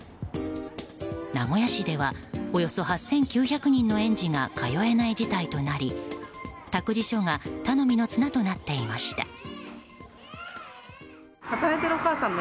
名古屋市ではおよそ８９００人の園児が通えない事態となり、託児所が頼みの綱となっていました。